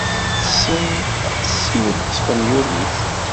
Tessen ad tessiwel taspenyulit.